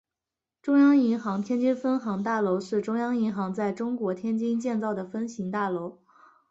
中央银行天津分行大楼是中央银行在中国天津建造的分行大楼。